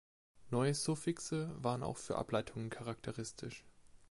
Neue Suffixe waren auch für Ableitungen charakteristisch.